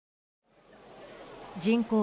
人口